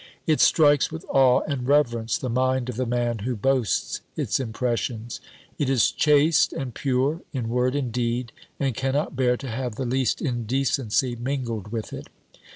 It strikes with awe and reverence the mind of the man who boasts its impressions. It is chaste and pure in word and deed, and cannot bear to have the least indecency mingled with it.